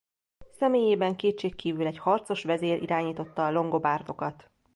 Személyében kétségkívül egy harcos vezér irányította a longobárdokat.